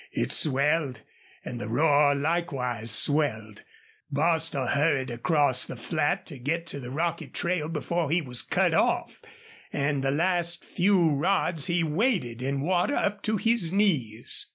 It swelled. And the roar likewise swelled. Bostil hurried across the flat to get to the rocky trail before he was cut off, and the last few rods he waded in water up to his knees.